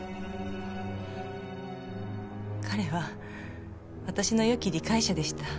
彼は私のよき理解者でした。